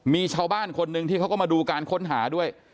มีชาวบ้านคนหนึ่งที่เขาก็มาดูการค้นหาด้วย